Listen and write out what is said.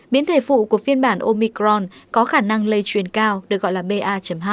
biến thể phụ của phiên bản omicron có khả năng lây truyền cao được gọi là ba hai